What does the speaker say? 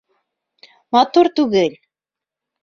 Матур түгел!